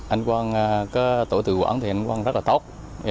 anh quang có tội tự quản thì anh quang rất là tốt